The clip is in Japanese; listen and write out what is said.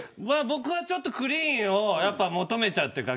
僕はちょっとクリーンを求めちゃっていて。